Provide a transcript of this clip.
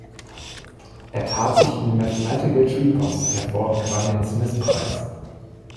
Er tat sich in den Mathematical Tripos hervor und gewann den Smith-Preis.